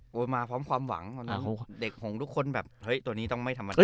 มาพร้อมความหวังของเด็กของทุกคนแบบเฮ้ยตัวนี้ต้องไม่ธรรมดา